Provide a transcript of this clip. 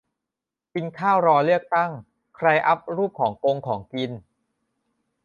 กินข้าวรอเลือกตั้ง ใครอัปรูปของกงของกิน